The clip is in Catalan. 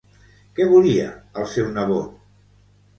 Què volia el seu nebot?